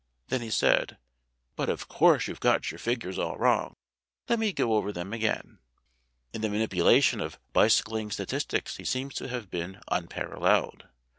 Then he said, "But of course you've got your figures all wrong. Let me go over them again." In the manipu FAILURE OF PROFESSOR PALBECK 57 lation of bicycling statistics he seems to have been unparalleled.